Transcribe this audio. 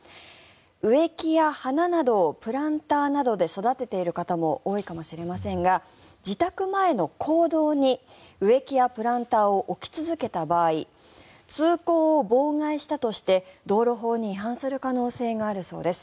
植木や花などをプランターなどで育てている方も多いかもしれませんが自宅前の公道に植木やプランターを置き続けた場合通行を妨害したとして道路法に違反する可能性があるそうです。